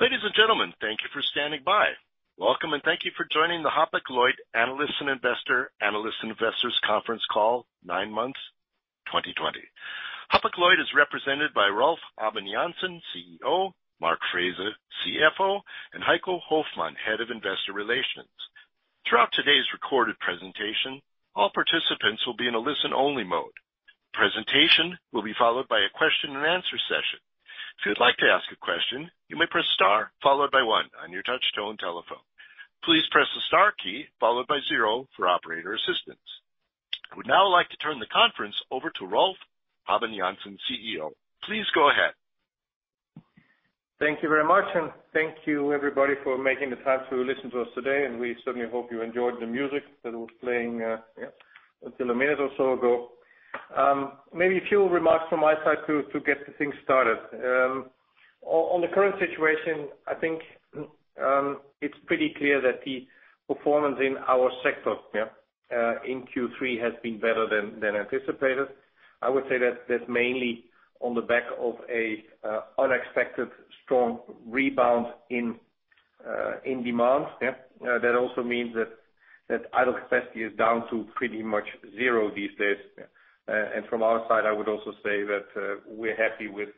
Ladies and gentlemen, thank you for standing by. Welcome, and thank you for joining the Hapag-Lloyd Analysts and Investors Conference Call, nine months 2020. Hapag-Lloyd is represented by Rolf Habben Jansen, CEO; Mark Frese, CFO; and Heiko Hoffmann, Head of Investor Relations. Throughout today's recorded presentation, all participants will be in a listen-only mode. Presentation will be followed by a question-and-answer session. If you'd like to ask a question, you may press star followed by one on your touch-tone telephone. Please press the star key followed by zero for operator assistance. I would now like to turn the conference over to Rolf Habben Jansen, CEO. Please go ahead. Thank you very much, and thank you, everybody, for making the time to listen to us today, and we certainly hope you enjoyed the music that was playing until a minute or so ago. Maybe a few remarks from my side to get things started. On the current situation, I think it's pretty clear that the performance in our sector in Q3 has been better than anticipated. I would say that, that's mainly on the back of an unexpected strong rebound in demand. That also means that idle capacity is down to pretty much zero these days, and from our side, I would also say that we're happy with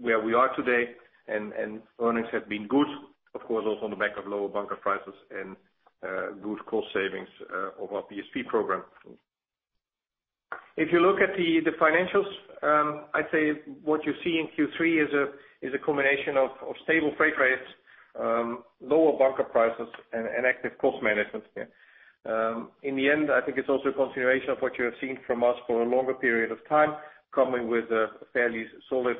where we are today, and earnings have been good, of course, also on the back of lower bunker prices and good cost savings of our PSP program. If you look at the financials, I'd say what you see in Q3 is a combination of stable freight rates, lower bunker prices, and active cost management. In the end, I think it's also a continuation of what you have seen from us for a longer period of time, coming with a fairly solid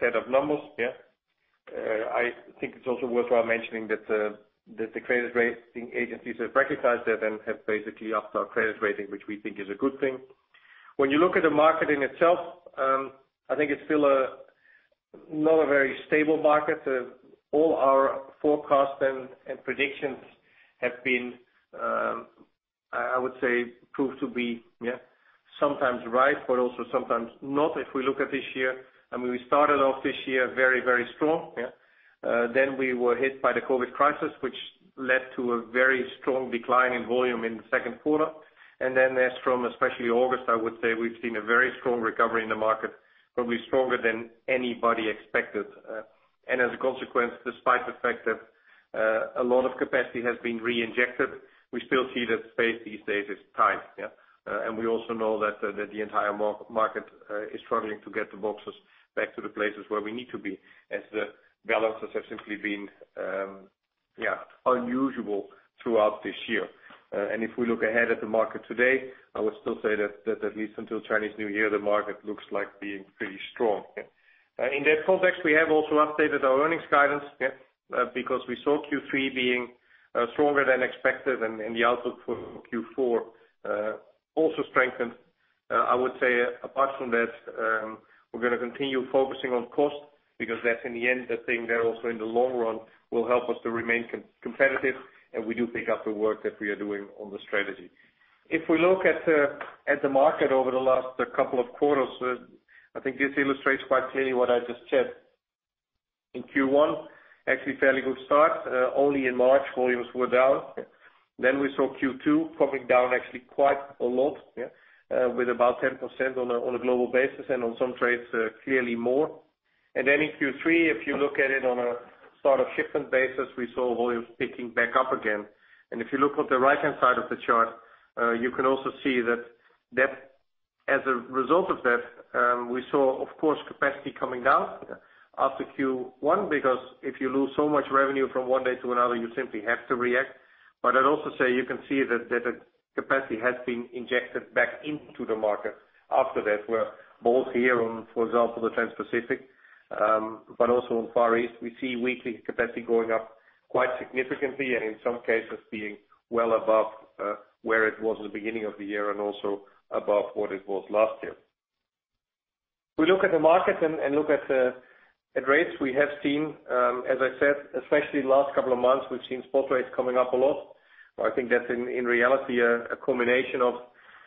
set of numbers. I think it's also worthwhile mentioning that the credit rating agencies have recognized that and have basically upped our credit rating, which we think is a good thing. When you look at the market in itself, I think it's still not a very stable market. All our forecasts and predictions have been, I would say, proved to be sometimes right, but also sometimes not. If we look at this year, I mean, we started off this year very, very strong. Then we were hit by the COVID crisis, which led to a very strong decline in volume in the Q2. And then there's, from especially August, I would say we've seen a very strong recovery in the market, probably stronger than anybody expected. And as a consequence, despite the fact that a lot of capacity has been reinjected, we still see that space these days is tight. And we also know that the entire market is struggling to get the boxes back to the places where we need to be, as the balances have simply been unusual throughout this year. And if we look ahead at the market today, I would still say that at least until Chinese New Year, the market looks like being pretty strong. In that context, we have also updated our earnings guidance because we saw Q3 being stronger than expected, and the outlook for Q4 also strengthened. I would say, apart from that, we're going to continue focusing on cost because that's, in the end, the thing that also in the long run will help us to remain competitive, and we do pick up the work that we are doing on the strategy. If we look at the market over the last couple of quarters, I think this illustrates quite clearly what I just said. In Q1, actually fairly good start. Only in March, volumes were down. Then we saw Q2 probably down actually quite a lot, with about 10% on a global basis, and on some trades, clearly more. And then in Q3, if you look at it on a start of shipment basis, we saw volumes picking back up again. And if you look on the right-hand side of the chart, you can also see that as a result of that, we saw, of course, capacity coming down after Q1 because if you lose so much revenue from one day to another, you simply have to react. But I'd also say you can see that the capacity has been injected back into the market after that. We're both here on, for example, the Trans-Pacific, but also on Far East. We see weekly capacity going up quite significantly, and in some cases, being well above where it was in the beginning of the year and also above what it was last year. If we look at the market and look at rates, we have seen, as I said, especially in the last couple of months, we've seen spot rates coming up a lot. I think that's in reality a combination of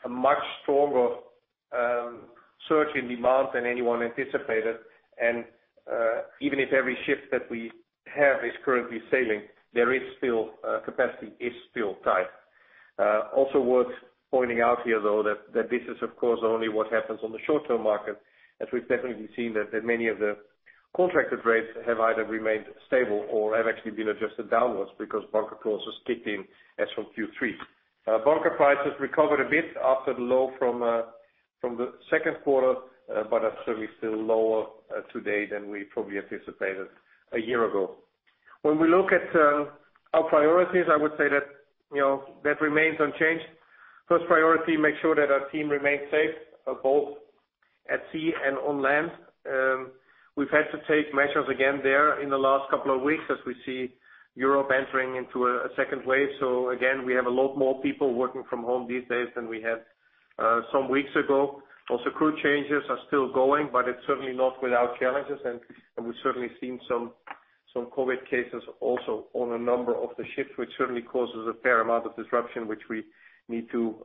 a much stronger surge in demand than anyone anticipated. And even if every ship that we have is currently sailing, there is still capacity. It's still tight. Also worth pointing out here, though, that this is, of course, only what happens on the short-term market, as we've definitely seen that many of the contracted rates have either remained stable or have actually been adjusted downwards because bunker clauses kicked in as from Q3. Bunker prices recovered a bit after the low from the Q2, but are certainly still lower today than we probably anticipated a year ago. When we look at our priorities, I would say that, that remains unchanged. First priority, make sure that our team remains safe, both at sea and on land. We've had to take measures again there in the last couple of weeks as we see Europe entering into a second wave, so again, we have a lot more people working from home these days than we had some weeks ago. Also, crew changes are still going, but it's certainly not without challenges, and we've certainly seen some COVID cases also on a number of the ships, which certainly causes a fair amount of disruption, and we need to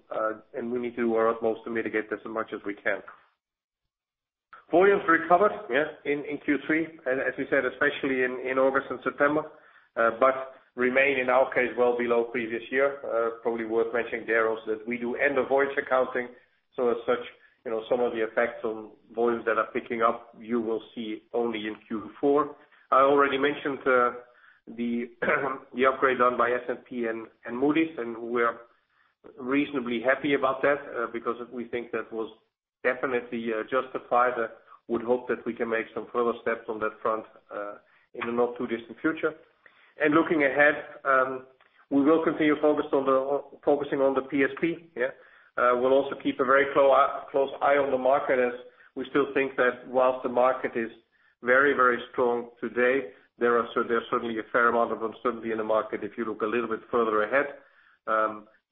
do our utmost to mitigate this as much as we can. Volumes recovered in Q3, as we said, especially in August and September, but remain, in our case, well below previous year. Probably worth mentioning there also that we do end-of-voyage accounting, so as such, some of the effects on volumes that are picking up, you will see only in Q4. I already mentioned the upgrade done by S&P and Moody's, and we're reasonably happy about that because we think that was definitely justified. I would hope that we can make some further steps on that front in the not too distant future. And looking ahead, we will continue focusing on the PSP. We'll also keep a very close eye on the market as we still think that whilst the market is very, very strong today, there are certainly a fair amount of uncertainty in the market if you look a little bit further ahead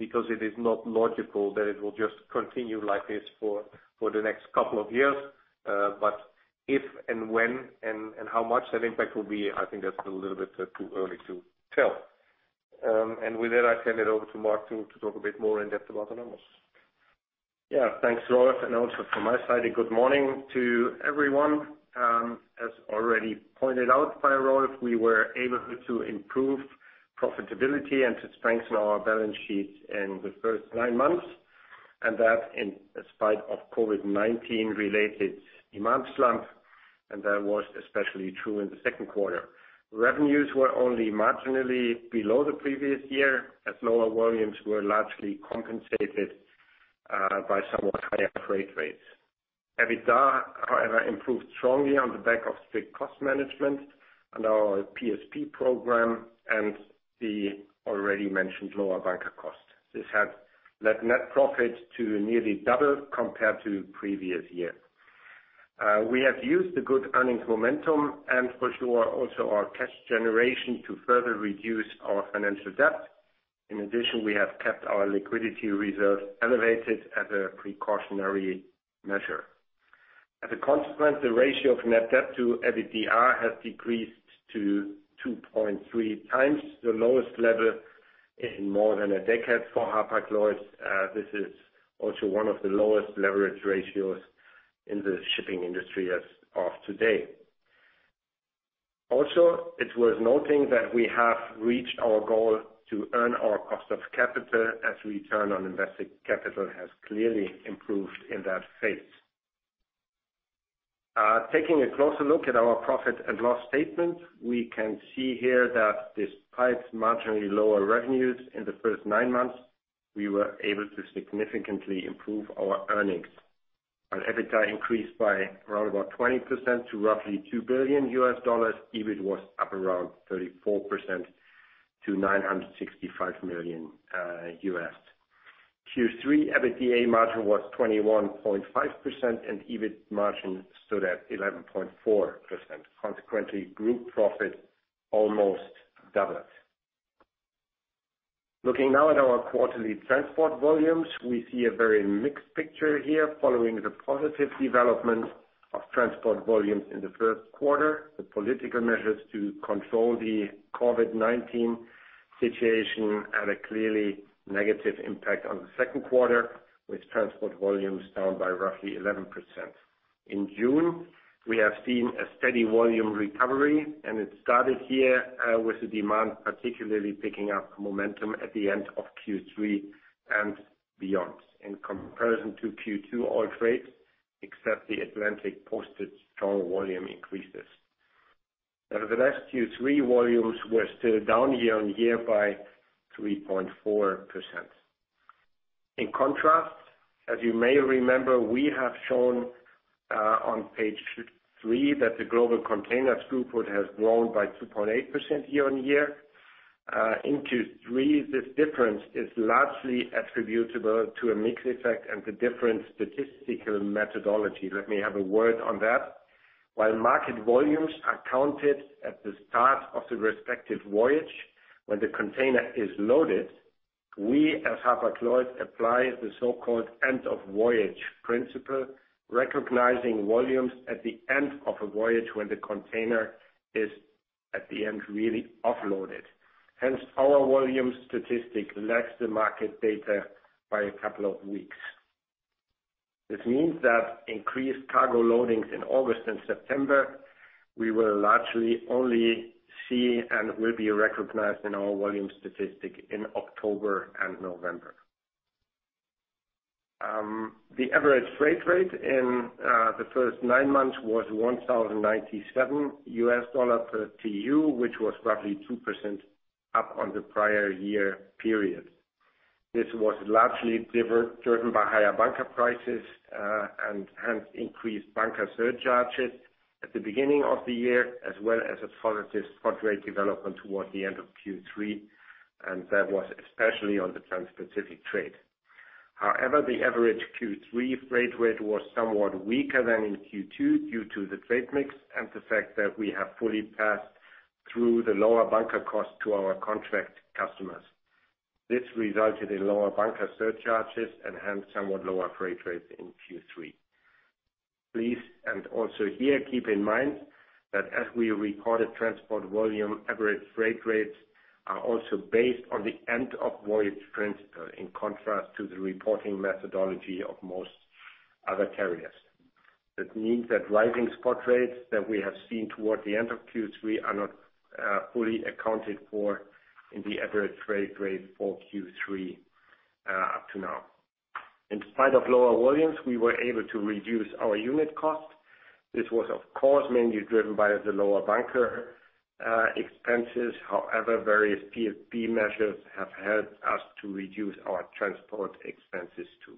because it is not logical that it will just continue like this for the next couple of years. But if and when and how much that impact will be, I think that's a little bit too early to tell. With that, I turn it over to Mark to talk a bit more in depth about anomalies. Yeah, thanks, Rolf. And also from my side, a good morning to everyone. As already pointed out by Rolf, we were able to improve profitability and to strengthen our balance sheet in the first nine months, and that in spite of COVID-19-related demand slump, and that was especially true in the Q2. Revenues were only marginally below the previous year as lower volumes were largely compensated by somewhat higher freight rates. EBITDA, however, improved strongly on the back of strict cost management and our PSP program and the already mentioned lower bunker cost. This has led net profit to nearly double compared to previous year. We have used the good earnings momentum and, for sure, also our cash generation to further reduce our financial debt. In addition, we have kept our liquidity reserves elevated as a precautionary measure. As a consequence, the ratio of net debt to EBITDA has decreased to 2.3x the lowest level in more than a decade for Hapag-Lloyd. This is also one of the lowest leverage ratios in the shipping industry as of today. Also, it's worth noting that we have reached our goal to earn our cost of capital as return on invested capital has clearly improved in that phase. Taking a closer look at our profit and loss statement, we can see here that despite marginally lower revenues in the first nine months, we were able to significantly improve our earnings. Our EBITDA increased by around 20% to roughly $2 billion. EBIT was up around 34% to $965 million. Q3 EBITDA margin was 21.5%, and EBIT margin stood at 11.4%. Consequently, group profit almost doubled. Looking now at our quarterly transport volumes, we see a very mixed picture here following the positive development of transport volumes in the Q1. The political measures to control the COVID-19 situation had a clearly negative impact on the Q2, with transport volumes down by roughly 11%. In June, we have seen a steady volume recovery, and it started here with the demand particularly picking up momentum at the end of Q3 and beyond. In comparison to Q2, all trades, except the Atlantic, posted strong volume increases. As of the last Q3, volumes were still down year-on-year by 3.4%. In contrast, as you may remember, we have shown on page three that the global container throughput has grown by 2.8% year-on-year. In Q3, this difference is largely attributable to a mix effect and the different statistical methodology. Let me have a word on that. While market volumes are counted at the start of the respective voyage, when the container is loaded, we as Hapag-Lloyd apply the so-called end-of-voyage principle, recognizing volumes at the end of a voyage when the container is, at the end, really offloaded. Hence, our volume statistic lags the market data by a couple of weeks. This means that increased cargo loadings in August and September, we will largely only see and will be recognized in our volume statistic in October and November. The average freight rate in the first nine months was $1,097 per TEU, which was roughly 2% up on the prior year period. This was largely driven by higher bunker prices and hence increased bunker surcharges at the beginning of the year, as well as a positive spot rate development towards the end of Q3, and that was especially on the Trans-Pacific trade. However, the average Q3 freight rate was somewhat weaker than in Q2 due to the trade mix and the fact that we have fully passed through the lower bunker cost to our contract customers. This resulted in lower bunker surcharges and hence somewhat lower freight rates in Q3. Please, and also here, keep in mind that as we reported transport volume, average freight rates are also based on the end-of-voyage principle in contrast to the reporting methodology of most other carriers. That means that rising spot rates that we have seen toward the end of Q3 are not fully accounted for in the average freight rate for Q3 up to now. In spite of lower volumes, we were able to reduce our unit cost. This was, of course, mainly driven by the lower bunker expenses. However, various PSP measures have helped us to reduce our transport expenses too.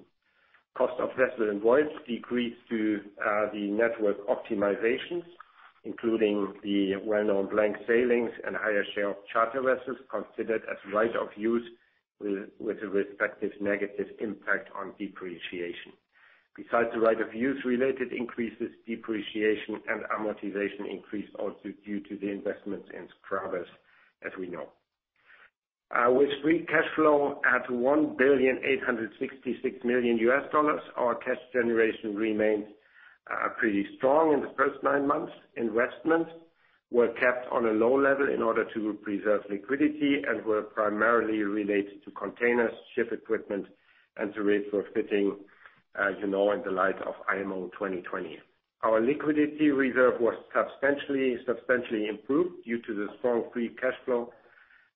Cost of vessel and voyage decreased due to the network optimizations, including the well-known blank sailings and higher share of charter vessels considered as right-of-use with a respective negative impact on depreciation. Besides the right-of-use-related increases, depreciation and amortization increased also due to the investments in scrubbers, as we know. With free cash flow at $1.866 billion, our cash generation remained pretty strong in the first nine months. Investments were kept on a low level in order to preserve liquidity and were primarily related to containers, ship equipment, and the scrubber retrofitting in the light of IMO 2020. Our liquidity reserve was substantially improved due to the strong free cash flow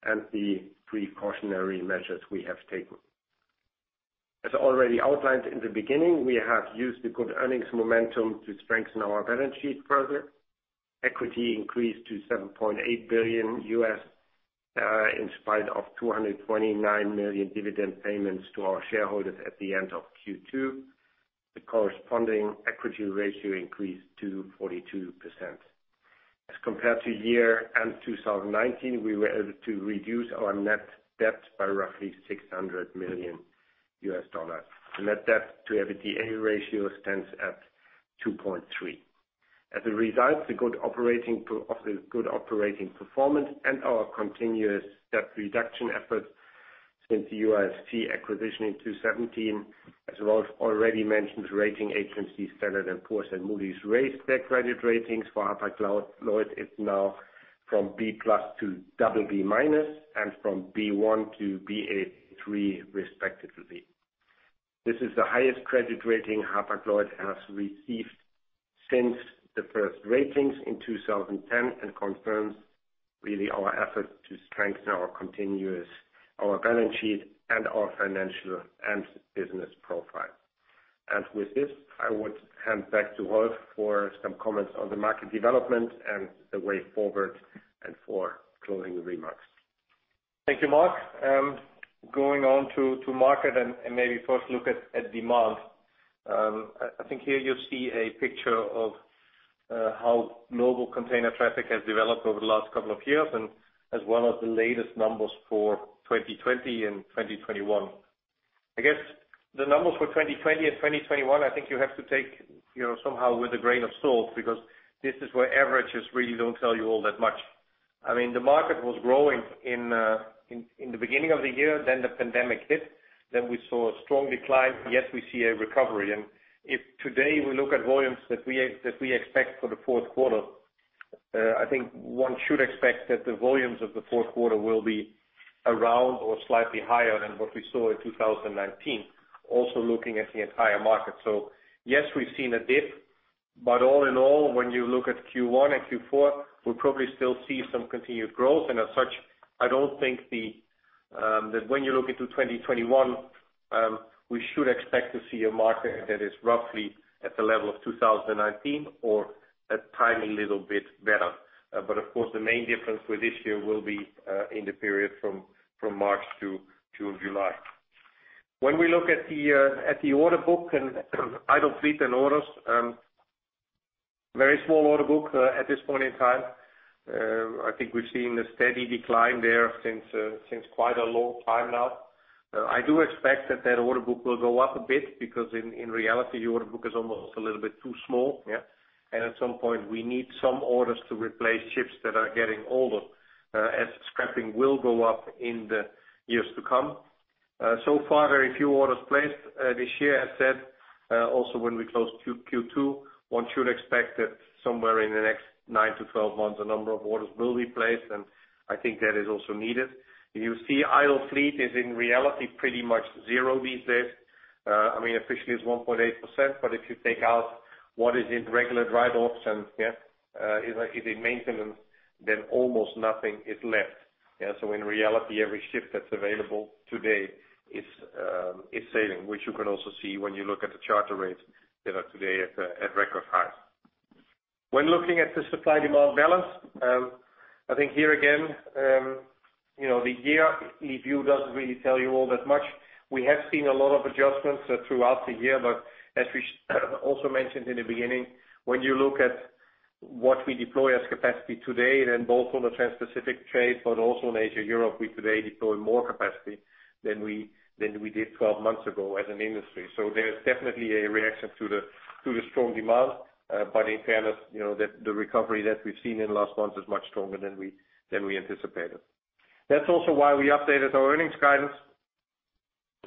and the precautionary measures we have taken. As already outlined in the beginning, we have used the good earnings momentum to strengthen our balance sheet further. Equity increased to $7.8 billion in spite of $229 million dividend payments to our shareholders at the end of Q2. The corresponding equity ratio increased to 42%. As compared to year end 2019, we were able to reduce our net debt by roughly $600 million. The net debt to EBITDA ratio stands at 2.3%. As a result, the good operating performance and our continuous debt reduction efforts since the UASC acquisition in 2017, as Rolf already mentioned, rating agencies Standard & Poor's and Moody's raised their credit ratings for Hapag-Lloyd. It's now from B+ to BB- and from B1 to Ba3 respectively. This is the highest credit rating Hapag-Lloyd has received since the first ratings in 2010 and confirms really our efforts to strengthen our continuous balance sheet and our financial and business profile. With this, I would hand back to Rolf for some comments on the market development and the way forward and for closing remarks. Thank you, Mark. Going on to market and maybe first look at demand. I think here you see a picture of how global container traffic has developed over the last couple of years and as well as the latest numbers for 2020 and 2021. I guess the numbers for 2020 and 2021. I think you have to take somehow with a grain of salt because this is where averages really don't tell you all that much. I mean, the market was growing in the beginning of the year, then the pandemic hit, then we saw a strong decline, yet we see a recovery. If today we look at volumes that we expect for the Q4, I think one should expect that the volumes of the Q4 will be around or slightly higher than what we saw in 2019, also looking at the entire market. Yes, we've seen a dip, but all in all, when you look at Q1 and Q4, we'll probably still see some continued growth. As such, I don't think that when you look into 2021, we should expect to see a market that is roughly at the level of 2019 or a tiny little bit better. Of course, the main difference with this year will be in the period from March to June, July. When we look at the order book and idle fleet and orders, very small order book at this point in time. I think we've seen a steady decline there since quite a long time now. I do expect that, that order book will go up a bit because in reality, the order book is almost a little bit too small, and at some point, we need some orders to replace ships that are getting older as scrapping will go up in the years to come, so far, very few orders placed this year, as said, also when we close Q2, one should expect that somewhere in the next 9-12 months, a number of orders will be placed, and I think that is also needed. You see, idle fleet is in reality pretty much zero these days. I mean, officially it's 1.8%, but if you take out what is in regular dry dock and is in maintenance, then almost nothing is left. So in reality, every ship that's available today is sailing, which you can also see when you look at the charter rates that are today at record highs. When looking at the supply-demand balance, I think here again, the year review doesn't really tell you all that much. We have seen a lot of adjustments throughout the year, but as we also mentioned in the beginning, when you look at what we deploy as capacity today, then both on the Trans-Pacific trade, but also in Asia-Europe, we today deploy more capacity than we did 12 months ago as an industry. So there's definitely a reaction to the strong demand, but in fairness, the recovery that we've seen in the last months is much stronger than we anticipated. That's also why we updated our earnings guidance.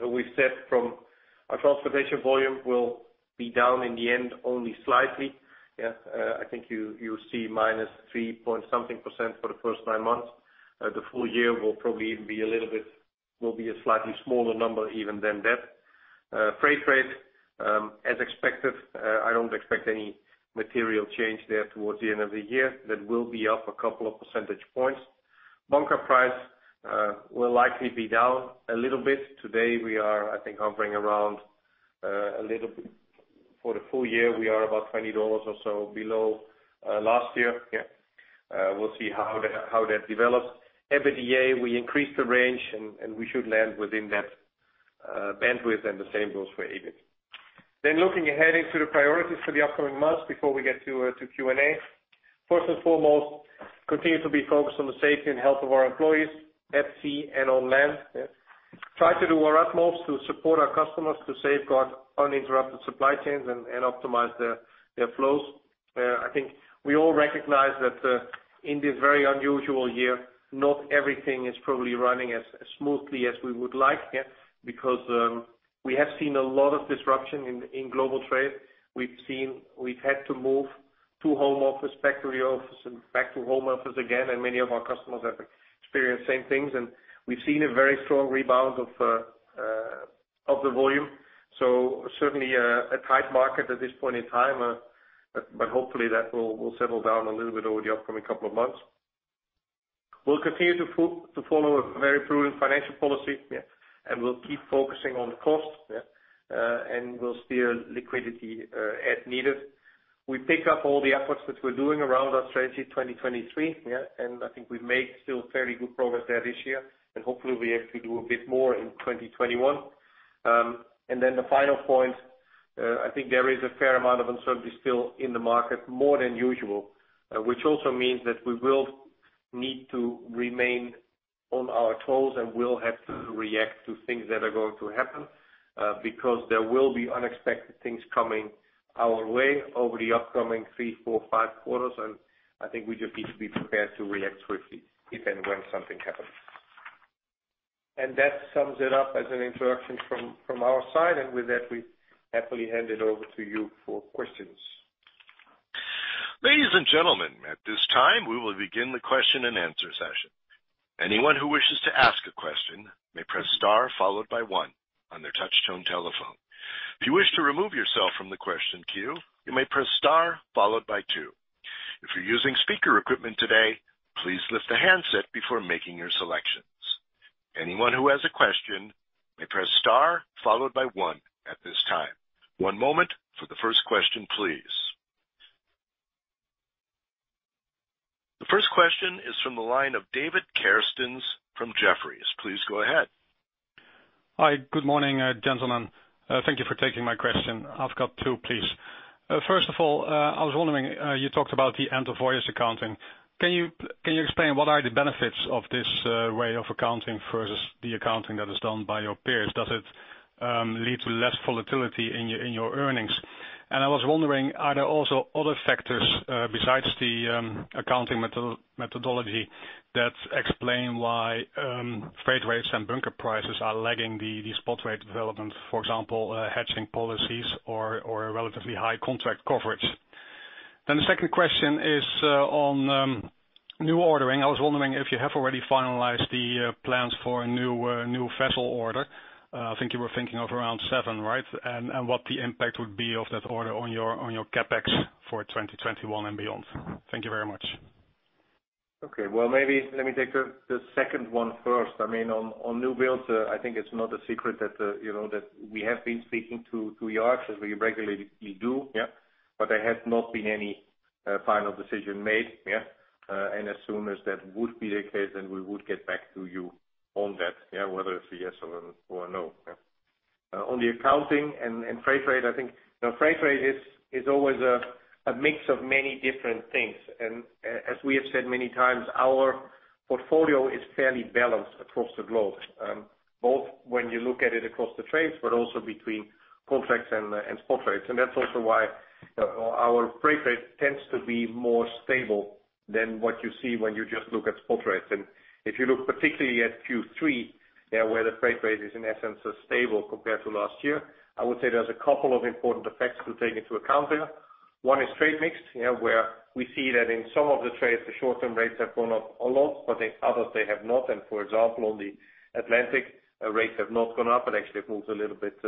We said our transportation volume will be down in the end only slightly. I think you'll see minus three point something percent for the first nine months. The full year will probably even be a little bit, will be a slightly smaller number even than that. Freight rate, as expected, I don't expect any material change there towards the end of the year. That will be up a couple of percentage points. Bunker price will likely be down a little bit. Today, we are, I think, hovering around a little bit for the full year. We are about $20 or so below last year. We'll see how that develops. EBITDA, we increased the range and we should land within that bandwidth, and the same goes for EBIT. Looking ahead into the priorities for the upcoming months before we get to Q&A. First and foremost, continue to be focused on the safety and health of our employees at sea and on land. Try to do our utmost to support our customers to safeguard uninterrupted supply chains and optimize their flows. I think we all recognize that in this very unusual year, not everything is probably running as smoothly as we would like because we have seen a lot of disruption in global trade. We've had to move to home office, factory office, and back to home office again, and many of our customers have experienced same things. And we've seen a very strong rebound of the volume. So certainly a tight market at this point in time, but hopefully that will settle down a little bit over the upcoming couple of months. We'll continue to follow a very prudent financial policy, and we'll keep focusing on cost, and we'll steer liquidity as needed. We pick up all the efforts that we're doing around our Strategy 2023, and I think we've made still fairly good progress there this year, and hopefully we'll be able to do a bit more in 2021, and then the final point, I think there is a fair amount of uncertainty still in the market, more than usual, which also means that we will need to remain on our toes and will have to react to things that are going to happen because there will be unexpected things coming our way over the upcoming three, four, five quarters, and I think we just need to be prepared to react swiftly if and when something happens, and that sums it up as an introduction from our side, and with that, we happily hand it over to you for questions. Ladies and gentlemen, at this time, we will begin the question and answer session. Anyone who wishes to ask a question may press star followed by one on their touch-tone telephone. If you wish to remove yourself from the question queue, you may press star followed by two. If you're using speaker equipment today, please lift the handset before making your selections. Anyone who has a question may press star followed by one at this time. One moment for the first question, please. The first question is from the line of David Kerstens from Jefferies. Please go ahead. Hi, good morning, gentlemen. Thank you for taking my question. I've got two, please. First of all, I was wondering, you talked about the end-of-voyage accounting. Can you explain what are the benefits of this way of accounting versus the accounting that is done by your peers? Does it lead to less volatility in your earnings? And I was wondering, are there also other factors besides the accounting methodology that explain why freight rates and bunker prices are lagging the spot rate development, for example, hedging policies or relatively high contract coverage? Then the second question is on new ordering. I was wondering if you have already finalized the plans for a new vessel order. I think you were thinking of around seven, right? And what the impact would be of that order on your CapEx for 2021 and beyond? Thank you very much. Okay. Well, maybe let me take the second one first. I mean, on new builds, I think it's not a secret that we have been speaking to you actually, as we regularly do, but there has not been any final decision made. And as soon as that would be the case, then we would get back to you on that, whether it's a yes or a no. On the accounting and freight rate, I think freight rate is always a mix of many different things. And as we have said many times, our portfolio is fairly balanced across the globe, both when you look at it across the trades, but also between contracts and spot rates. And that's also why our freight rate tends to be more stable than what you see when you just look at spot rates. And if you look particularly at Q3, where the freight rate is, in essence, stable compared to last year, I would say there's a couple of important effects to take into account there. One is trade mix, where we see that in some of the trades, the short-term rates have gone up a lot, but in others, they have not. And for example, on the Atlantic, rates have not gone up, but actually have moved a little bit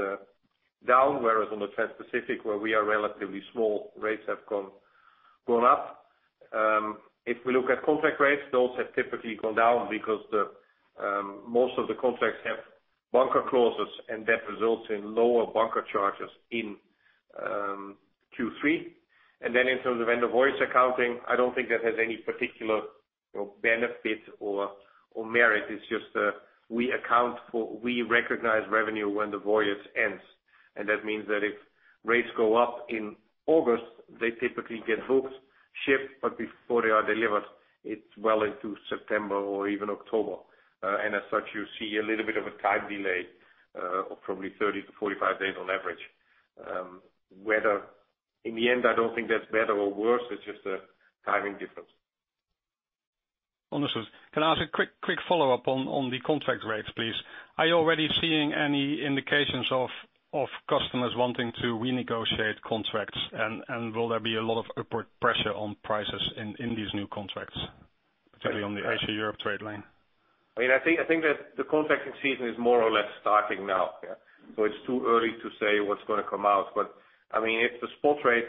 down, whereas on the Trans-Pacific, where we are relatively small, rates have gone up. If we look at contract rates, those have typically gone down because most of the contracts have bunker clauses, and that results in lower bunker charges in Q3. And then in terms of end-of-voyage accounting, I don't think that has any particular benefit or merit. It's just we recognize revenue when the voyage ends. That means that if rates go up in August, they typically get booked, shipped, but before they are delivered, it's well into September or even October. And as such, you see a little bit of a time delay of probably 30 days-45 days on average. Whether in the end, I don't think that's better or worse. It's just a timing difference. Understood. Can I ask a quick follow-up on the contract rates, please? Are you already seeing any indications of customers wanting to renegotiate contracts, and will there be a lot of upward pressure on prices in these new contracts, particularly on the Asia-Europe trade lane? I mean, I think that the contracting season is more or less starting now. So it's too early to say what's going to come out. But I mean, if the spot rates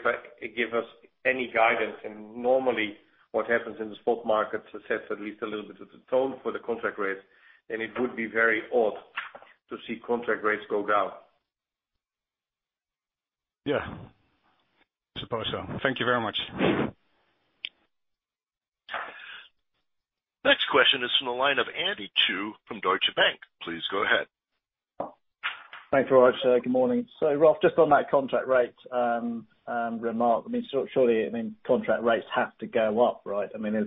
give us any guidance, and normally what happens in the spot market sets at least a little bit of the tone for the contract rates, then it would be very odd to see contract rates go down. Yeah. Suppose so. Thank you very much. Next question is from the line of Andy Chu from Deutsche Bank. Please go ahead. Thanks, Rolf. Good morning. So Rolf, just on that contract rate remark, I mean, surely contract rates have to go up, right? I mean, as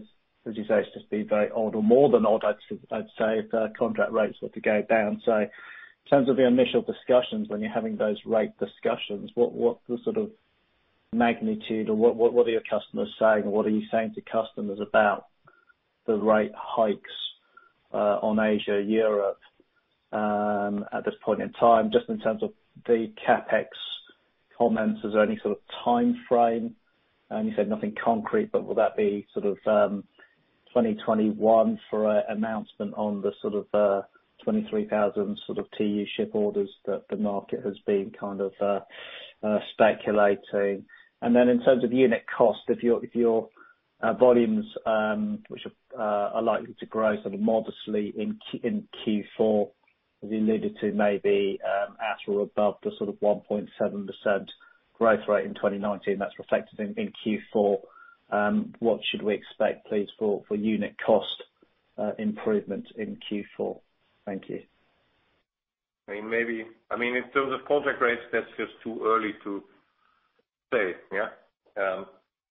you say, it's just been very odd or more than odd, I'd say, if contract rates were to go down. So in terms of the initial discussions, when you're having those rate discussions, what's the sort of magnitude or what are your customers saying or what are you saying to customers about the rate hikes on Asia, Europe, at this point in time? Just in terms of the CapEx comments, is there any sort of time frame? And you said nothing concrete, but will that be sort of 2021 for an announcement on the sort of 23,000 sort of TEU ship orders that the market has been kind of speculating? And then in terms of unit cost, if your volumes, which are likely to grow sort of modestly in Q4, have you alluded to maybe at or above the sort of 1.7% growth rate in 2019? That's reflected in Q4. What should we expect, please, for unit cost improvement in Q4? Thank you. I mean, maybe in terms of contract rates, that's just too early to say.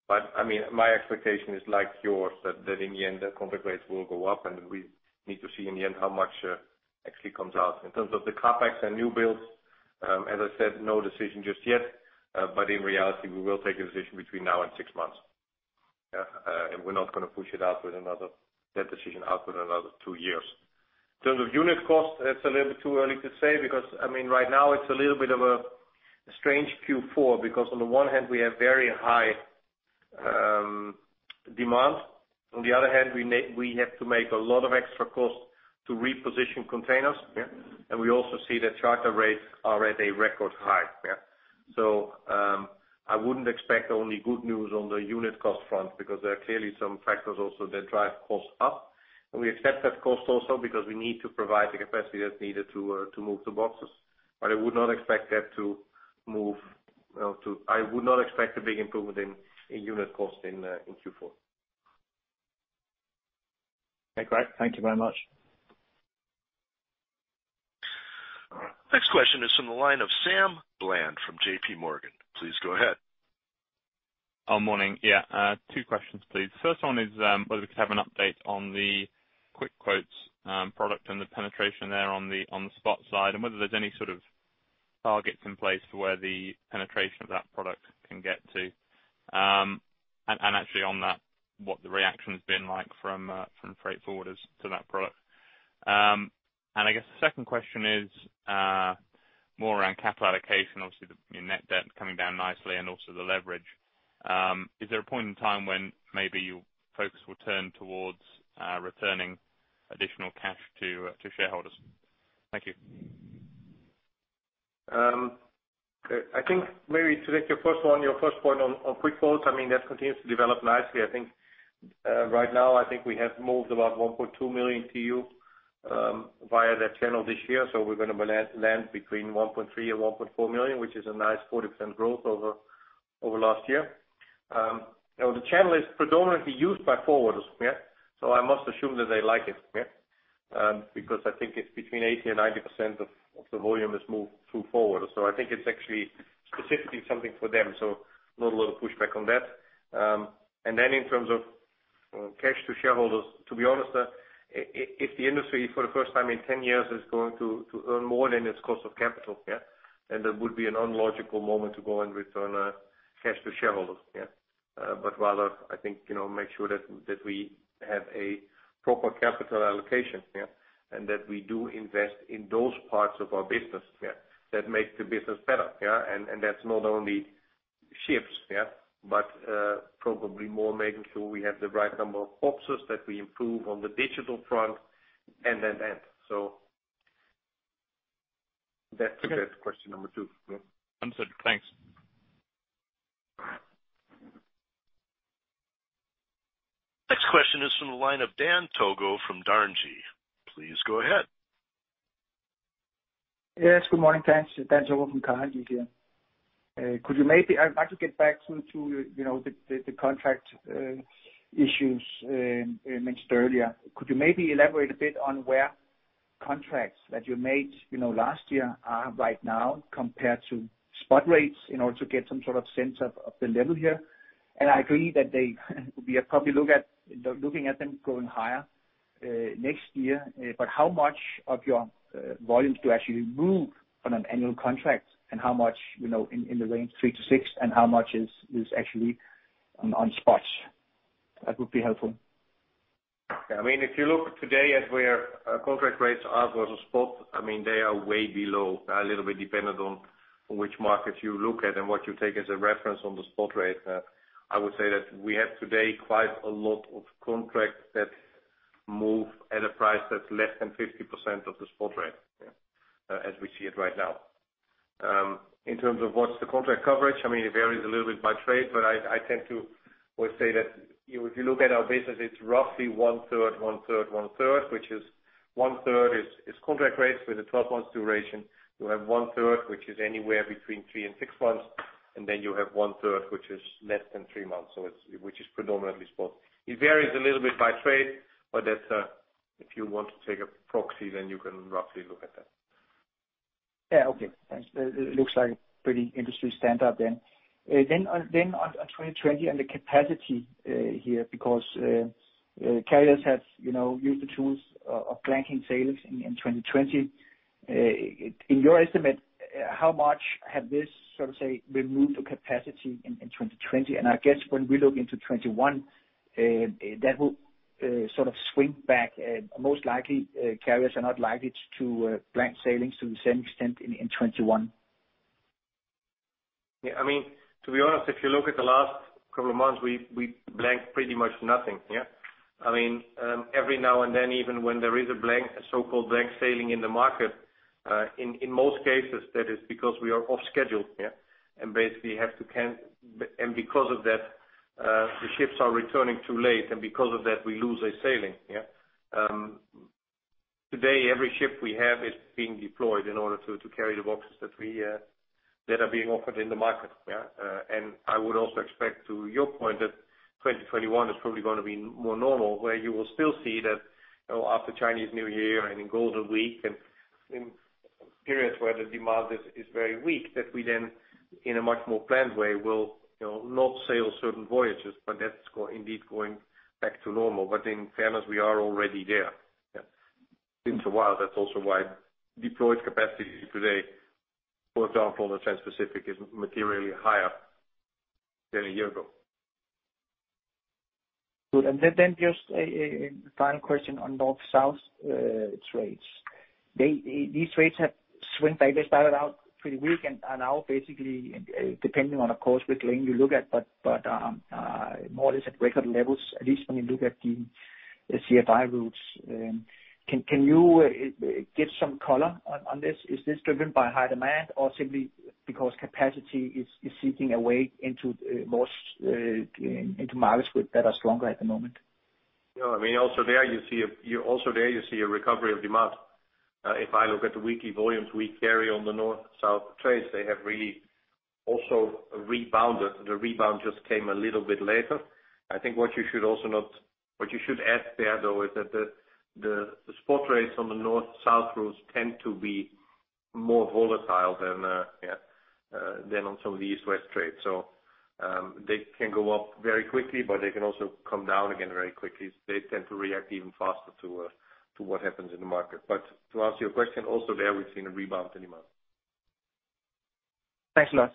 But I mean, my expectation is like yours, that in the end, the contract rates will go up, and we need to see in the end how much actually comes out. In terms of the CapEx and new builds, as I said, no decision just yet, but in reality, we will take a decision between now and six months. And we're not going to push that decision out another two years. In terms of unit cost, that's a little bit too early to say because, I mean, right now, it's a little bit of a strange Q4 because on the one hand, we have very high demand. On the other hand, we have to make a lot of extra cost to reposition containers, and we also see that charter rates are at a record high, so I wouldn't expect only good news on the unit cost front because there are clearly some factors also that drive cost up, and we accept that cost also because we need to provide the capacity that's needed to move the boxes, but I would not expect a big improvement in unit cost in Q4. Okay, great. Thank you very much. Next question is from the line of Sam Bland from JPMorgan. Please go ahead. Oh, morning. Yeah. Two questions, please. The first one is whether we could have an update on the Quick Quotes product and the penetration there on the spot side and whether there's any sort of targets in place for where the penetration of that product can get to. And actually on that, what the reaction has been like from freight forwarders to that product. And I guess the second question is more around capital allocation, obviously the net debt coming down nicely and also the leverage. Is there a point in time when maybe your focus will turn towards returning additional cash to shareholders? Thank you. I think maybe to take your first point, your first point on Quick Quotes, I mean, that continues to develop nicely. I think right now, I think we have moved about 1.2 million TEU via that channel this year. So we're going to land between 1.3 and 1.4 million, which is a nice 40% growth over last year. Now, the channel is predominantly used by forwarders, so I must assume that they like it because I think it's between 80% and 90% of the volume has moved through forwarders. So I think it's actually specifically something for them. So not a lot of pushback on that. Then in terms of cash to shareholders, to be honest, if the industry for the first time in 10 years is going to earn more than its cost of capital, then that would be an illogical moment to go and return cash to shareholders. But rather, I think, make sure that we have a proper capital allocation and that we do invest in those parts of our business that make the business better. And that's not only ships, but probably more, making sure we have the right number of boxes, that we improve on the digital front and that end. So that's question number two. Understood. Thanks. Next question is from the line of Dan Togo from Carnegie. Please go ahead. Yes, good morning. Thanks. Dan Togo from Carnegie here. Could you maybe? I'd like to get back to the contract issues mentioned earlier. Could you maybe elaborate a bit on where contracts that you made last year are right now compared to spot rates in order to get some sort of sense of the level here? And I agree that we are probably looking at them going higher next year, but how much of your volumes do you actually move on an annual contract, and how much in the range three to six, and how much is actually on spot? That would be helpful. I mean, if you look today at where contract rates are versus spot, I mean, they are way below, a little bit dependent on which markets you look at and what you take as a reference on the spot rate. I would say that we have today quite a lot of contracts that move at a price that's less than 50% of the spot rate, as we see it right now. In terms of what's the contract coverage, I mean, it varies a little bit by trade, but I tend to always say that if you look at our business, it's roughly 1/3, 1/3, 1/3, which is 1/3 is contract rates with a 12-month duration. You have 1/3, which is anywhere between three and six months, and then you have 1/3, which is less than three months, which is predominantly spot. It varies a little bit by trade, but if you want to take a proxy, then you can roughly look at that. Yeah, okay. Thanks. It looks like a pretty industry standard then. Then on 2020 and the capacity here because carriers have used the tools of blank sailings in 2020. In your estimate, how much have this sort of removed the capacity in 2020? And I guess when we look into 2021, that will sort of swing back. Most likely, carriers are not likely to blank sailings to the same extent in 2021. Yeah. I mean, to be honest, if you look at the last couple of months, we blanked pretty much nothing. I mean, every now and then, even when there is a so-called blank sailing in the market, in most cases, that is because we are off schedule and basically have to cancel. And because of that, the ships are returning too late, and because of that, we lose a sailing. Today, every ship we have is being deployed in order to carry the boxes that are being offered in the market. I would also expect, to your point, that 2021 is probably going to be more normal, where you will still see that after Chinese New Year and in Golden Week and periods where the demand is very weak, that we then, in a much more planned way, will not sail certain voyages, but that's indeed going back to normal. In fairness, we are already there. It's been a while. That's also why deployed capacity today, for example, on the Trans-Pacific, is materially higher than a year ago. Good. And then just a final question on North-South trades. These trades have swung back. They started out pretty weak, and now, basically, depending on the course we're going, you look at, but more or less at record levels, at least when you look at the CFI routes. Can you get some color on this? Is this driven by high demand or simply because capacity is seeping away into markets that are stronger at the moment? No. I mean, also there, you see a recovery of demand. If I look at the weekly volumes we carry on the North-South trades, they have really also rebounded. The rebound just came a little bit later. I think what you should add there, though, is that the spot rates on the North-South routes tend to be more volatile than on some of the East-West trades. So they can go up very quickly, but they can also come down again very quickly. They tend to react even faster to what happens in the market. But to answer your question, also there, we've seen a rebound in demand. Thanks a lot.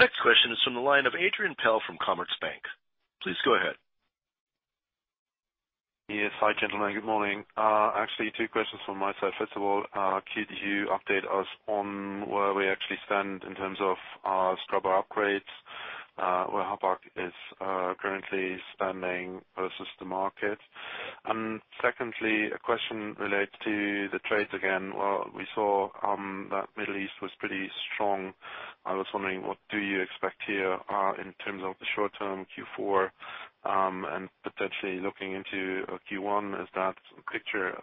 Next question is from the line of Adrian Pehl from Commerzbank. Please go ahead. Yes, hi, gentlemen. Good morning. Actually, two questions from my side. First of all, could you update us on where we actually stand in terms of scrubber upgrades, where Hapag-Lloyd is currently standing versus the market? And secondly, a question relates to the trades again. Well, we saw that Middle East was pretty strong. I was wondering, what do you expect here in terms of the short-term Q4 and potentially looking into Q1? Is that picture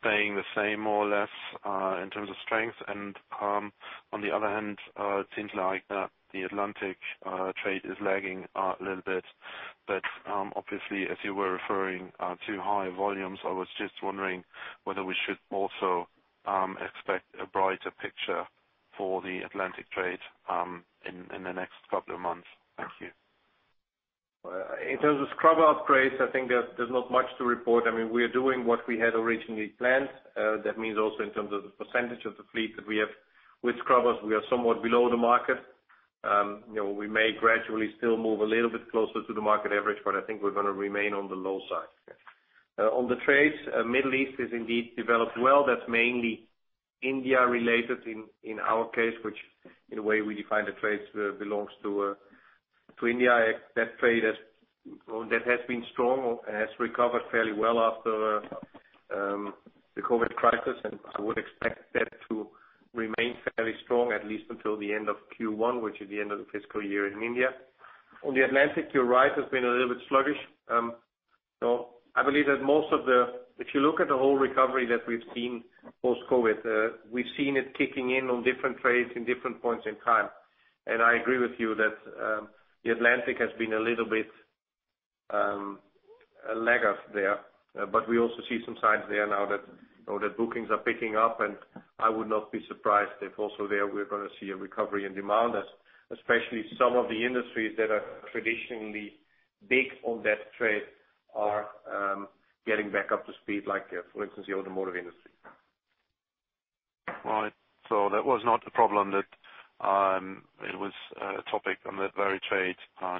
staying the same more or less in terms of strength? And on the other hand, it seems like the Atlantic trade is lagging a little bit. But obviously, as you were referring to high volumes, I was just wondering whether we should also expect a brighter picture for the Atlantic trade in the next couple of months. Thank you. In terms of scrubber upgrades, I think there's not much to report. I mean, we are doing what we had originally planned. That means also in terms of the percentage of the fleet that we have with scrubbers, we are somewhat below the market. We may gradually still move a little bit closer to the market average, but I think we're going to remain on the low side. On the trades, Middle East is indeed developed well. That's mainly India-related in our case, which in a way we define the trades belongs to India. That trade has been strong and has recovered fairly well after the COVID crisis, and I would expect that to remain fairly strong, at least until the end of Q1, which is the end of the fiscal year in India. On the Atlantic, our rise has been a little bit sluggish. So, I believe that most of the, if you look at the whole recovery that we've seen post-COVID, we've seen it kicking in on different trades in different points in time. And I agree with you that the Atlantic has been a little bit laggard there, but we also see some signs there now that bookings are picking up, and I would not be surprised if also there we're going to see a recovery in demand, especially some of the industries that are traditionally big on that trade are getting back up to speed, like for instance, the automotive industry. Right. So that was not a problem that it was a topic on that very trade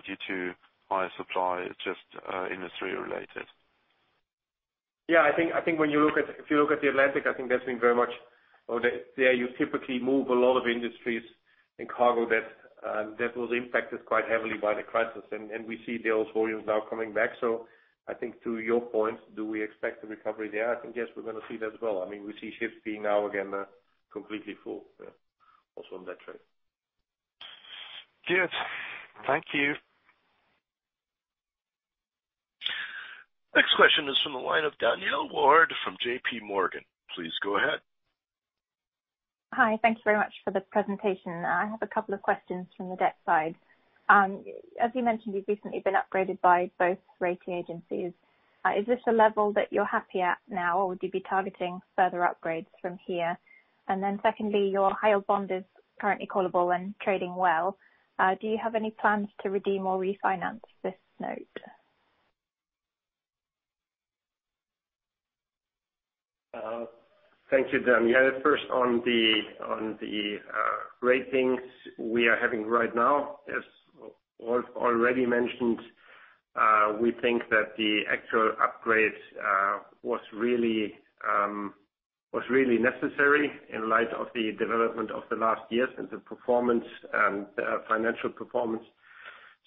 due to higher supply. It's just industry-related. Yeah. I think when you look at the Atlantic, I think that's been very much there. You typically move a lot of industrial cargo that was impacted quite heavily by the crisis, and we see those volumes now coming back. So I think to your point, do we expect the recovery there? I think, yes, we're going to see that as well. I mean, we see ships being now again completely full also on that trade. Good. Thank you. Next question is from the line of Daniel Ward from JPMorgan. Please go ahead. Hi. Thank you very much for the presentation. I have a couple of questions from the debt side. As you mentioned, you've recently been upgraded by both rating agencies. Is this a level that you're happy at now, or would you be targeting further upgrades from here? And then secondly, your hybrid bond is currently callable and trading well. Do you have any plans to redeem or refinance this note? Thank you, Daniel. First, on the ratings we are having right now, as already mentioned, we think that the actual upgrade was really necessary in light of the development of the last years and the performance and financial performance.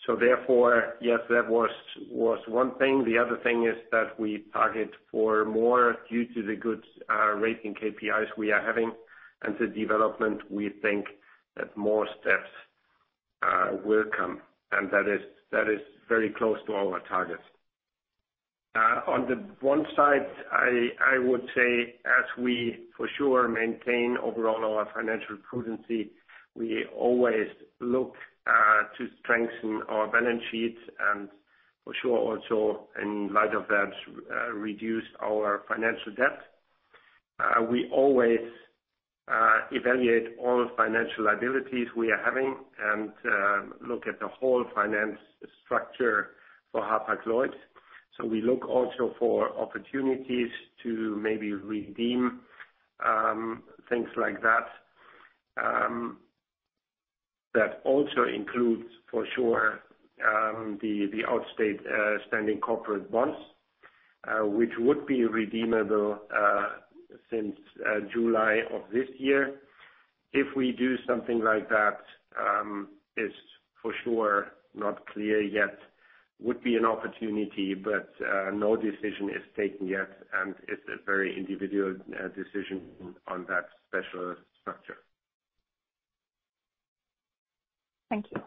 So therefore, yes, that was one thing. The other thing is that we target for more due to the good rating KPIs we are having and the development. We think that more steps will come, and that is very close to our targets. On the one side, I would say, as we for sure maintain overall our financial prudence, we always look to strengthen our balance sheets and for sure also, in light of that, reduce our financial debt. We always evaluate all financial liabilities we are having and look at the whole finance structure for Hapag-Lloyd. So we look also for opportunities to maybe redeem things like that. That also includes for sure the outstanding corporate bonds, which would be redeemable since July of this year. If we do something like that, it's for sure not clear yet. It would be an opportunity, but no decision is taken yet, and it's a very individual decision on that special structure. Thank you.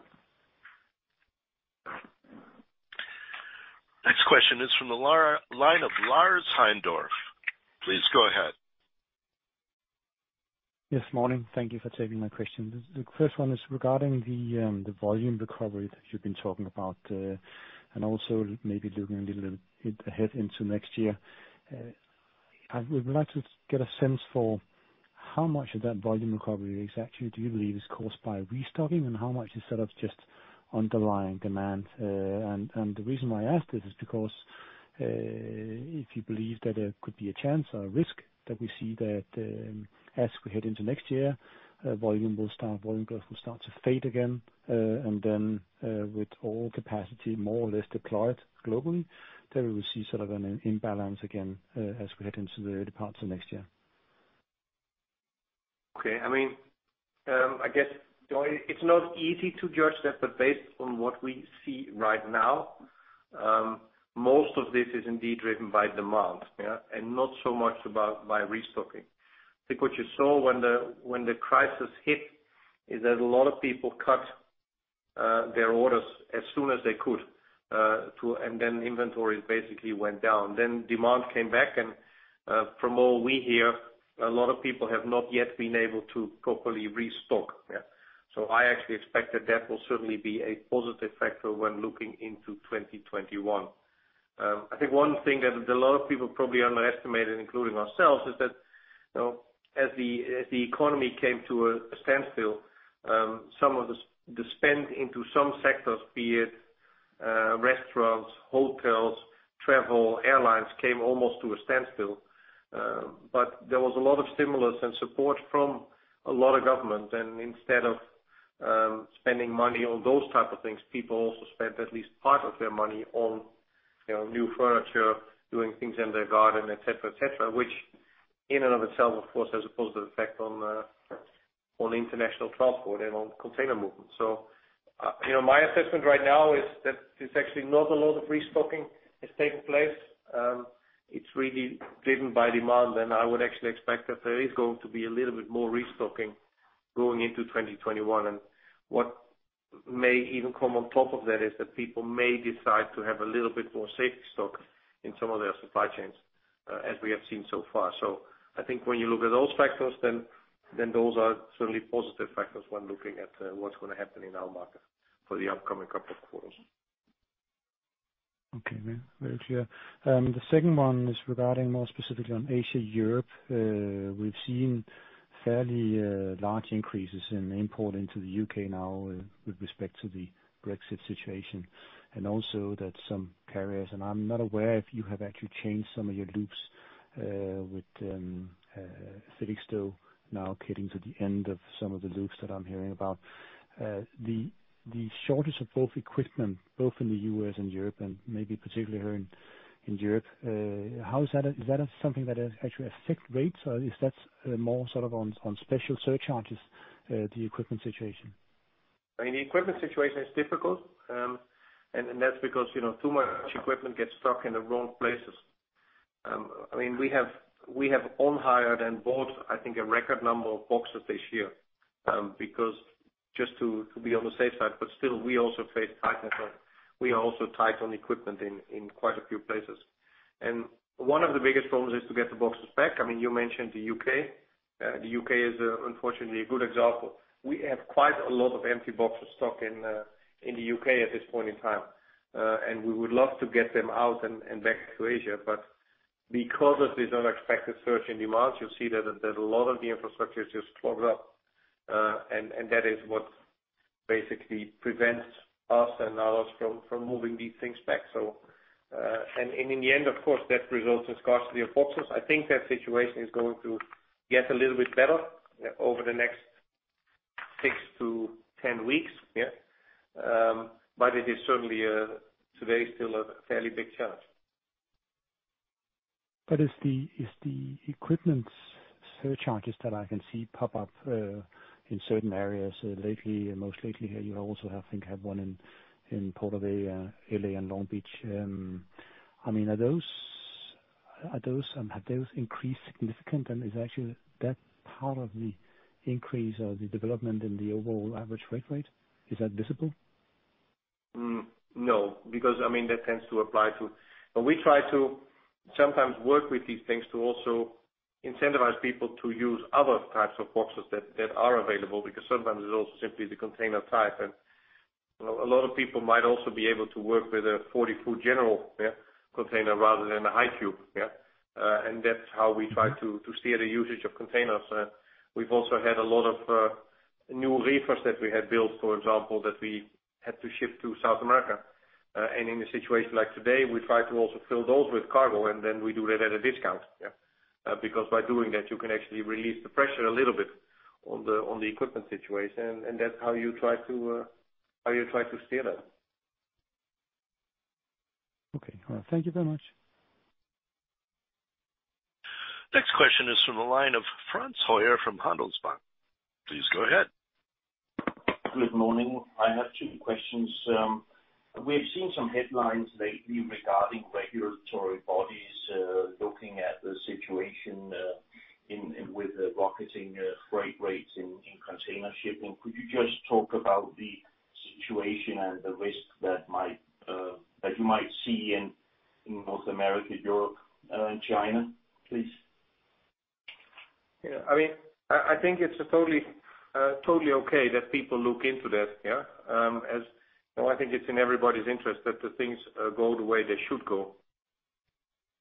Next question is from the line of Lars Heindorff. Please go ahead. Yes, morning. Thank you for taking my question. The first one is regarding the volume recovery that you've been talking about and also maybe looking a little bit ahead into next year. I would like to get a sense for how much of that volume recovery exactly do you believe is caused by restocking and how much is sort of just underlying demand? And the reason why I ask this is because if you believe that there could be a chance or a risk that we see that as we head into next year, volume will start, volume growth will start to fade again, and then with all capacity more or less deployed globally, then we will see sort of an imbalance again as we head into the parts of next year. Okay. I mean, I guess it's not easy to judge that, but based on what we see right now, most of this is indeed driven by demand and not so much by restocking. I think what you saw when the crisis hit is that a lot of people cut their orders as soon as they could, and then inventories basically went down. Then demand came back, and from all we hear, a lot of people have not yet been able to properly restock. So I actually expect that, that will certainly be a positive factor when looking into 2021. I think one thing that a lot of people probably underestimated, including ourselves, is that as the economy came to a standstill, some of the spend into some sectors, be it restaurants, hotels, travel, airlines, came almost to a standstill. But there was a lot of stimulus and support from a lot of governments, and instead of spending money on those type of things, people also spent at least part of their money on new furniture, doing things in their garden, et cetera, et cetera, which in and of itself, of course, has a positive effect on international transport and on container movements. So my assessment right now is that there's actually not a lot of restocking that's taking place. It's really driven by demand, and I would actually expect that there is going to be a little bit more restocking going into 2021. And what may even come on top of that is that people may decide to have a little bit more safety stock in some of their supply chains, as we have seen so far. So I think when you look at those factors, then those are certainly positive factors when looking at what's going to happen in our market for the upcoming couple of quarters. Okay. Very clear. The second one is regarding more specifically on Asia, Europe. We've seen fairly large increases in imports into the U.K. now with respect to the Brexit situation and also that some carriers, and I'm not aware if you have actually changed some of your loops with Felixstowe now getting to the end of some of the loops that I'm hearing about, the shortage of both equipment, both in the U.S. and Europe and maybe particularly here in Europe. Is that something that actually affects rates, or is that more sort of on special surcharges, the equipment situation? I mean, the equipment situation is difficult, and that's because too much equipment gets stuck in the wrong places. I mean, we have on-hire and bought, I think, a record number of boxes this year just to be on the safe side, but still, we also face tightness, or we are also tight on equipment in quite a few places. And one of the biggest problems is to get the boxes back. I mean, you mentioned the U.K. The U.K. is unfortunately a good example. We have quite a lot of empty boxes stuck in the U.K. at this point in time, and we would love to get them out and back to Asia, but because of this unexpected surge in demand, you'll see that a lot of the infrastructure is just clogged up, and that is what basically prevents us and others from moving these things back. And in the end, of course, that results in scarcity of boxes. I think that situation is going to get a little bit better over the next six to 10 weeks, but it is certainly today still a fairly big challenge. But are the equipment surcharges that I can see pop up in certain areas lately? Most lately here, do you also think they have one in Port of LA and Long Beach? I mean, are those increases significant? And is that actually part of the increase or the development in the overall average freight rate? Is that visible? No, because I mean, that tends to apply to, but we try to sometimes work with these things to also incentivize people to use other types of boxes that are available because sometimes it's also simply the container type, and a lot of people might also be able to work with a 40-foot general container rather than a high cube, and that's how we try to steer the usage of containers. We've also had a lot of new reefers that we had built, for example, that we had to ship to South America, and in a situation like today, we try to also fill those with cargo, and then we do that at a discount because by doing that, you can actually release the pressure a little bit on the equipment situation, and that's how you try to steer that. Okay. Thank you very much. Next question is from the line of Frans Høyer from Handelsbanken. Please go ahead. Good morning. I have two questions. We have seen some headlines lately regarding regulatory bodies looking at the situation with the rocketing freight rates in container shipping. Could you just talk about the situation and the risk that you might see in North America, Europe, and China, please? Yeah. I mean, I think it's totally okay that people look into that. I think it's in everybody's interest that the things go the way they should go.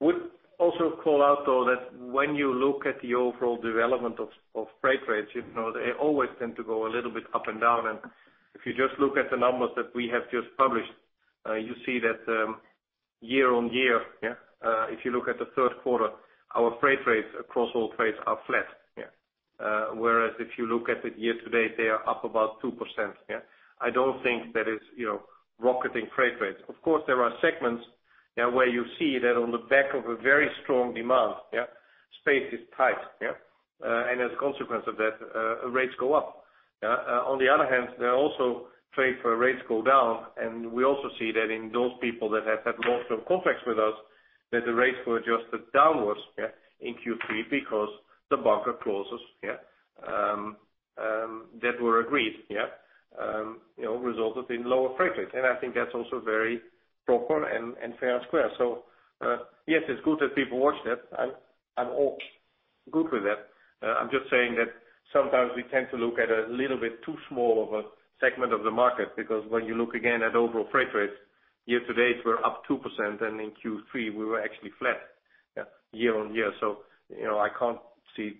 I would also call out, though, that when you look at the overall development of freight rates, they always tend to go a little bit up and down. And if you just look at the numbers that we have just published, you see that year-on-year, if you look at the Q3, our freight rates across all trades are flat. Whereas if you look at it year-to-date, they are up about 2%. I don't think that is rocketing freight rates. Of course, there are segments where you see that on the back of a very strong demand, space is tight, and as a consequence of that, rates go up. On the other hand, there are also trades where rates go down, and we also see that in those people that have had long-term contracts with us, that the rates were adjusted downwards in Q3 because the bunker clauses that were agreed resulted in lower freight rates, and I think that's also very proper and fair and square, so yes, it's good that people watch that. I'm all good with that. I'm just saying that sometimes we tend to look at a little bit too small of a segment of the market because when you look again at overall freight rates, year-to-date, we're up 2%, and in Q3, we were actually flat year-on-year, so I can't see,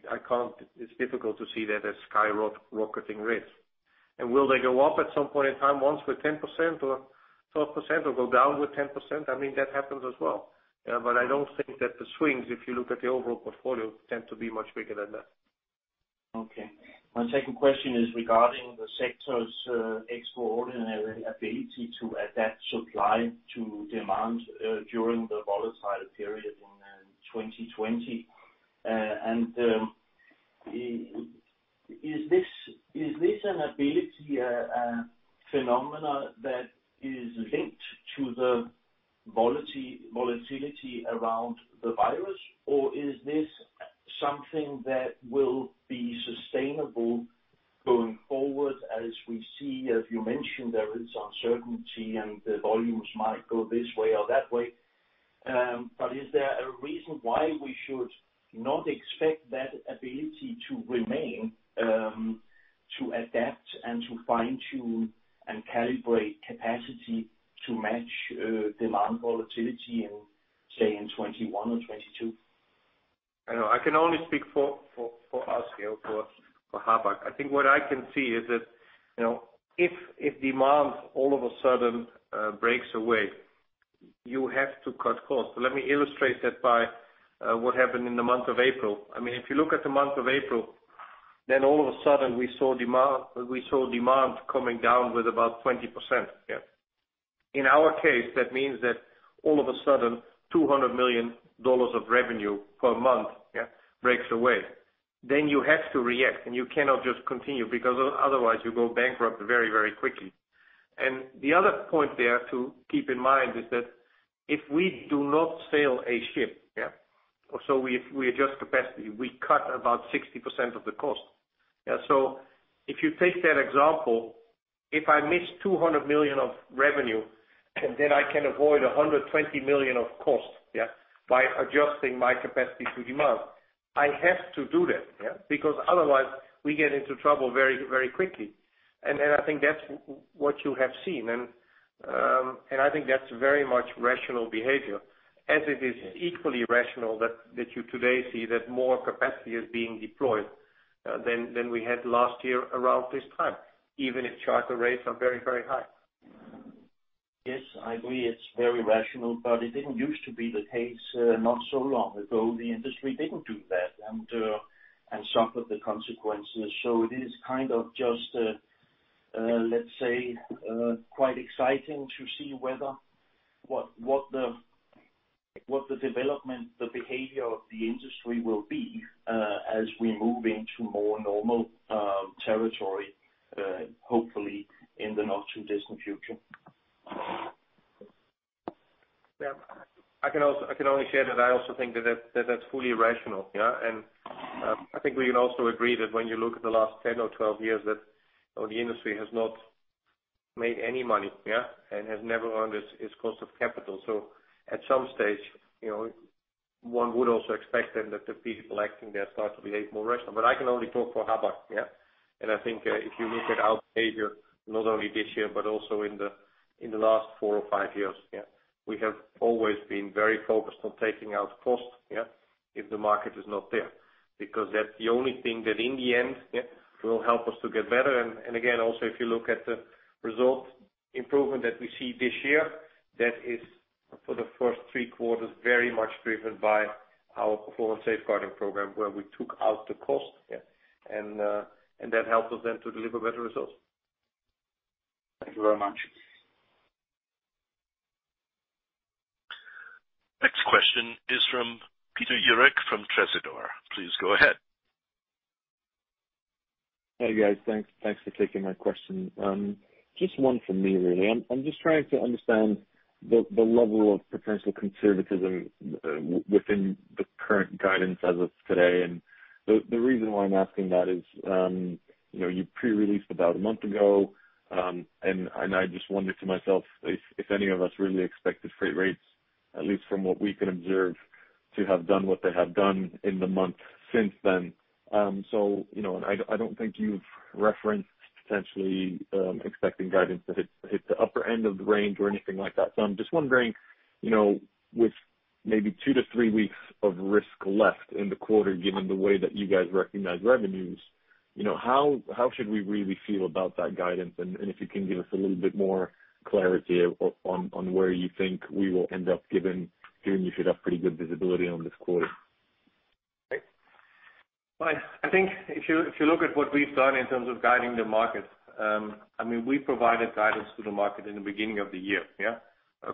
it's difficult to see that as skyrocketing rates, and will they go up at some point in time, once with 10% or 12%, or go down with 10%? I mean, that happens as well. But I don't think that the swings, if you look at the overall portfolio, tend to be much bigger than that. Okay. My second question is regarding the sector's extraordinary ability to adapt supply to demand during the volatile period in 2020. And is this an ability, a phenomenon that is linked to the volatility around the virus, or is this something that will be sustainable going forward as we see? As you mentioned, there is uncertainty, and the volumes might go this way or that way. But is there a reason why we should not expect that ability to remain, to adapt, and to fine-tune and calibrate capacity to match demand volatility in, say, in 2021 or 2022? I can only speak for us here, for Hapag-Lloyd. I think what I can see is that if demand all of a sudden breaks away, you have to cut costs. Let me illustrate that by what happened in the month of April. I mean, if you look at the month of April, then all of a sudden, we saw demand coming down with about 20%. In our case, that means that all of a sudden, $200 million of revenue per month breaks away. Then you have to react, and you cannot just continue because otherwise, you go bankrupt very, very quickly, and the other point there to keep in mind is that if we do not sail a ship, so if we adjust capacity, we cut about 60% of the cost. So, if you take that example, if I miss $200 million of revenue, then I can avoid $120 million of cost by adjusting my capacity to demand. I have to do that because otherwise, we get into trouble very, very quickly. And then I think that's what you have seen, and I think that's very much rational behavior, as it is equally rational that you today see that more capacity is being deployed than we had last year around this time, even if charter rates are very, very high. Yes, I agree. It's very rational, but it didn't use to be the case not so long ago. The industry didn't do that and suffered the consequences, so it is kind of just, let's say, quite exciting to see what the development, the behavior of the industry will be as we move into more normal territory, hopefully in the not-too-distant future. I can only share that I also think that, that's fully rational, and I think we can also agree that when you look at the last 10 or 12 years, that the industry has not made any money and has never earned its cost of capital. At some stage, one would also expect then that the people acting there start to behave more rationally, but I can only talk for Hapag-Lloyd. I think if you look at our behavior, not only this year, but also in the last four or five years, we have always been very focused on taking out cost if the market is not there because that's the only thing that in the end will help us to get better. Again, also if you look at the result improvement that we see this year, that is for the first three quarters very much driven by our Performance Safeguarding Program where we took out the cost, and that helped us then to deliver better results. Thank you very much. Next question is from Peter Jurik from Tresidor. Please go ahead. Hey, guys. Thanks for taking my question. Just one for me, really. I'm just trying to understand the level of potential conservatism within the current guidance as of today. And the reason why I'm asking that is you pre-released about a month ago, and I just wondered to myself if any of us really expected freight rates, at least from what we can observe, to have done what they have done in the month since then. So I don't think you've referenced potentially expecting guidance to hit the upper end of the range or anything like that. So I'm just wondering, with maybe two to three weeks of risk left in the quarter, given the way that you guys recognize revenues, how should we really feel about that guidance? If you can give us a little bit more clarity on where you think we will end up given you should have pretty good visibility on this quarter. Right. I think if you look at what we've done in terms of guiding the market, I mean, we provided guidance to the market in the beginning of the year,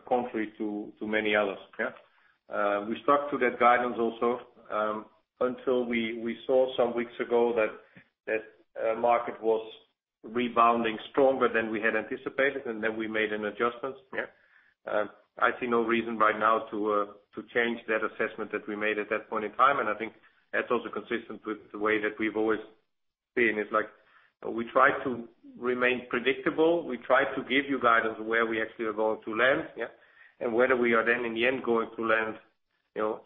contrary to many others. We stuck to that guidance also until we saw some weeks ago that the market was rebounding stronger than we had anticipated, and then we made an adjustment. I see no reason right now to change that assessment that we made at that point in time. And I think that's also consistent with the way that we've always been. It's like we try to remain predictable. We try to give you guidance where we actually are going to land, and whether we are then in the end going to land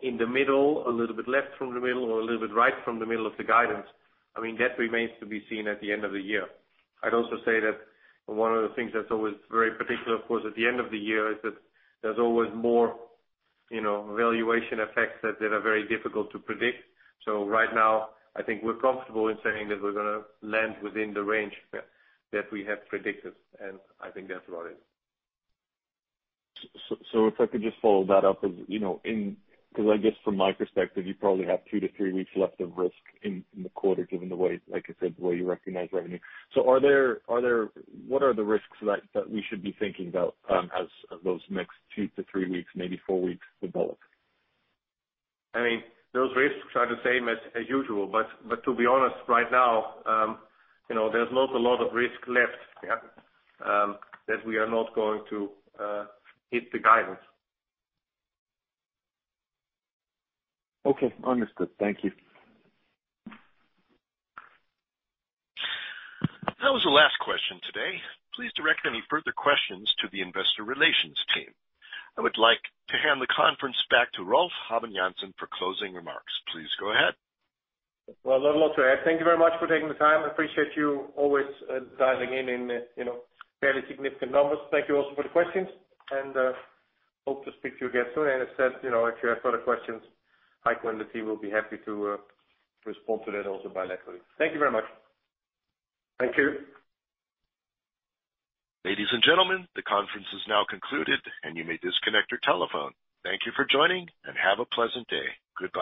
in the middle, a little bit left from the middle, or a little bit right from the middle of the guidance, I mean, that remains to be seen at the end of the year. I'd also say that one of the things that's always very particular, of course, at the end of the year is that there's always more valuation effects that are very difficult to predict. So right now, I think we're comfortable in saying that we're going to land within the range that we have predicted, and I think that's about it. So, if I could just follow that up, because I guess from my perspective, you probably have two to three weeks left of risk in the quarter, given the way, like I said, the way you recognize revenue. So, what are the risks that we should be thinking about as those next two to three weeks, maybe four weeks, develop? I mean, those risks are the same as usual, but to be honest, right now, there's not a lot of risk left that we are not going to hit the guidance. Okay. Understood. Thank you. That was the last question today. Please direct any further questions to the investor relations team. I would like to hand the conference back to Rolf Habben Jansen for closing remarks. Please go ahead. Not much to add. Thank you very much for taking the time. I appreciate you always diving in in fairly significant numbers. Thank you also for the questions, and hope to speak to you again soon. As I said, if you have further questions, Heiko and the team will be happy to respond to that also bilaterally. Thank you very much. Thank you. Ladies and gentlemen, the conference is now concluded, and you may disconnect your telephone. Thank you for joining, and have a pleasant day. Goodbye.